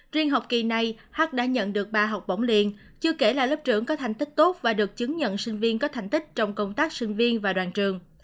riêng học kỳ này hát đã nhận được ba học bổng liên chưa kể là lớp trưởng có thành tích tốt và được chứng nhận sinh viên có thành tích trong công tác sinh viên và đoàn trường